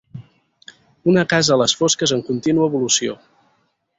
Una casa a les fosques en contínua evolució.